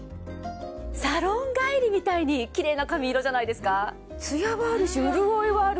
サロン帰りみたいにキレイな髪色じゃないですか？